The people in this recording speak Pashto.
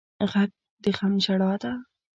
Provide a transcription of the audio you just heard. غږ د غم ژړا ده